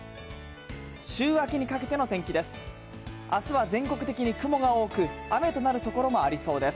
週明けにかけての天気です。